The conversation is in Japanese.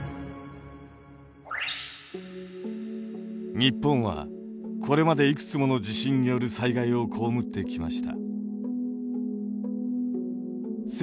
日本はこれまでいくつもの地震による災害を被ってきました。